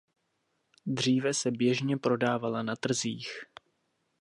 Dříve se běžně prodávala na trzích.